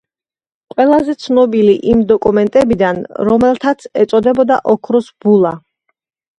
ყველაზე ცნობილი იმ დოკუმენტებიდან, რომელთაც ეწოდებოდა „ოქროს ბულა“.